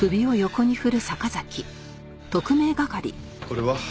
これは？